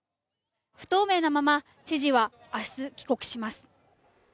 不透明なまま知事は明日帰国します。